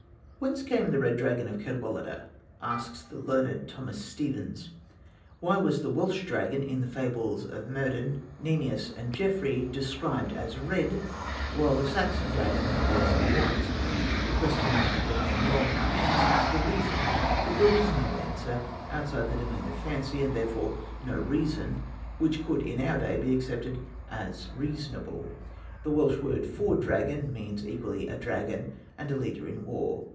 ' 'Whence came the red dragon of Cadwaladr?' asks the learned Thomas Stephens. 'Why was the Welsh dragon in the fables of Merddin, Nennius, and Geoffrey, described as red, while the Saxon dragon was white?' The question may remain long unanswered, for the reason that there is no answer outside the domain of fancy, and therefore no reason which could in our day be accepted as reasonable. The Welsh word 'dragon' means equally a dragon and a leader in war.